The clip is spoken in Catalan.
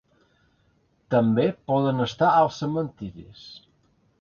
També poden estar als cementiris.